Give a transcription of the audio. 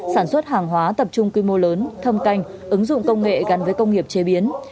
sản xuất hàng hóa tập trung quy mô lớn thâm canh ứng dụng công nghệ gắn với công nghiệp chế biến